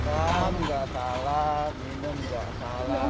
coba makan gak salah minum gak salah